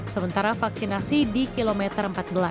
sementara vaksinasi di kilometer empat belas